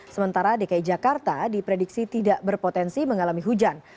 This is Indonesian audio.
sementara dki jakarta diprediksi tidak berpotensi mengalami hujan